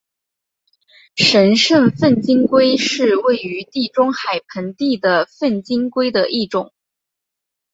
神圣粪金龟是位于地中海盆地的粪金龟的一种。